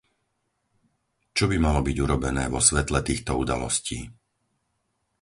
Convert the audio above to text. Čo by malo byť urobené vo svetle týchto udalostí?